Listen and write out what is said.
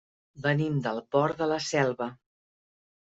Venim del Port de la Selva.